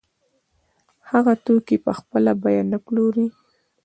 هغه توکي په خپله بیه نه پلوري